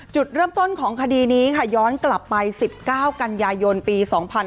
จุดเริ่มต้นของคดีนี้ค่ะย้อนกลับไป๑๙กันยายนปี๒๕๕๙